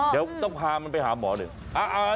เดี๋ยวต้องพามันไปหาหมอหน่อย